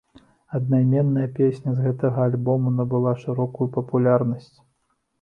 Аднайменная песня з гэтага альбому набыла шырокую папулярнасць.